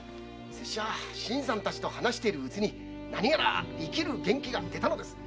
拙者は新さんたちと話しているうちに何やら生きる元気が出たのです。